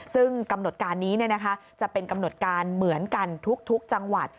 ซึ่งกำหนดการนี้จะเป็นกำหนดการเหมือนกันทุกจังหวัด